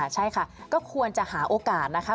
ใช่ค่ะก็ควรจะหาโอกาสนะคะ